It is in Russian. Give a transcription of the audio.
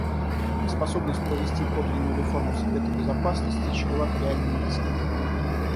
Неспособность провести подлинную реформу Совета Безопасности чревата реальными рисками.